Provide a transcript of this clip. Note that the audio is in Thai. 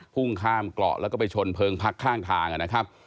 พุ่งข้ามเกาะแล้วก็ไปชนเพลิงพักข้างทางนะครับ